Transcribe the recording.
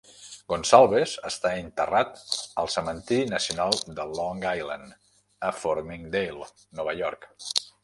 Gonsalves està enterrat al cementiri nacional de Long Island, a Farmingdale, Nova York.